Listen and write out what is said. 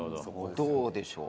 どうでしょう？